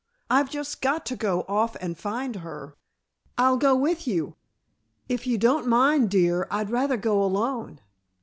I've just got to go off and find her " "I'll go with you." "If you don't mind, dear, I'd rather go alone."